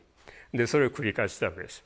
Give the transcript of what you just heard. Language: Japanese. でそれを繰り返ししたわけです。